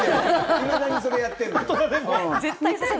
いまだに、そういうのやってるの。